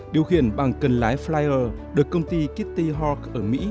điều khiển bằng cần lái flyer được công ty kitty hawk ở mỹ